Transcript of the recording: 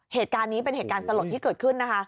เหตุการณ์นี้เป็นเหตุการณ์สลดที่เกิดขึ้นนะคะ